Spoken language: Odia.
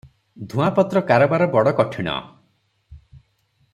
ଧୂଆଁପତ୍ର କାରବାର ବଡ କଠିଣ ।